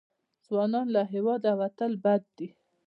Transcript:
ځوانان له هېواده وتل بد دي.